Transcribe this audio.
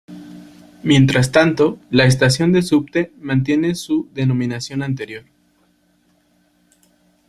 Mientras tanto, la estación de "subte" mantiene su denominación anterior.